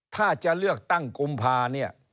ถ้าจะเลือกตั้งกุมภาเนี่ย